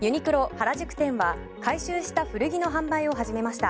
原宿店は回収した古着の販売を始めました。